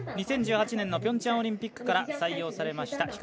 ２０１８年のピョンチャンオリンピックから採用されました。